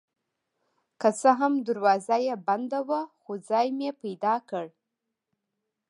که څه هم دروازه یې بنده وه خو ځای مې پیدا کړ.